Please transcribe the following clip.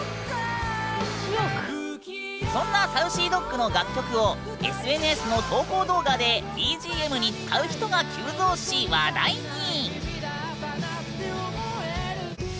そんなＳａｕｃｙＤｏｇの楽曲をＳＮＳの投稿動画でＢＧＭに使う人が急増し話題に！